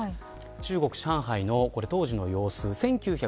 中国、上海の当時の様子です。